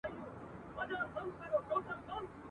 د زرګونو چي یې غاړي پرې کېدلې !.